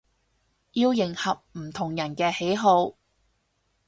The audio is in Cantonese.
要迎合唔同人嘅喜好